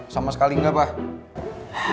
sama sekali nggak pak